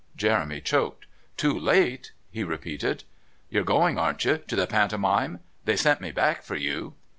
Jeremy choked. "Too late?" he repeated. "You're coming, aren't you to the Pantomime? They sent me back for you."